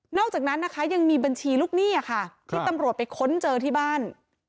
อกจากนั้นนะคะยังมีบัญชีลูกหนี้ค่ะที่ตำรวจไปค้นเจอที่บ้าน